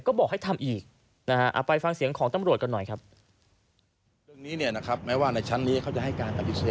ก็บอกให้ทำอีกนะฮะไปฟังเสียงของตำรวจกันหน่อยครับ